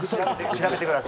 調べてください。